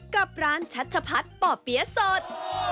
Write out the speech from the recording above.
กับร้านชัชพัฒน์ป่อเปี๊ยะสด